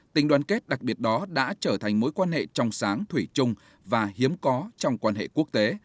tình đoàn kết đặc biệt đó đã trở thành mối quan hệ trong sáng thủy chung và hiếm có trong quan hệ quốc tế